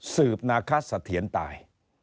สืบนาคาเสถียนตาย